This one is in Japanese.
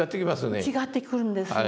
大いに違ってくるんですね。